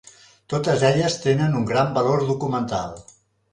Totes elles tenen un gran valor documental.